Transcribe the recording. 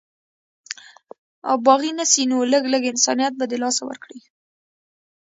او باغي نسي نو لږ، لږ انسانيت به د لاسه ورکړي